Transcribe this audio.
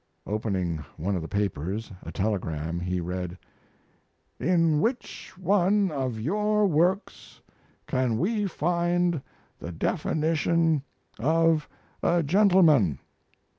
Opening one of the papers, a telegram, he read: "In which one of your works can we find the definition of a gentleman?"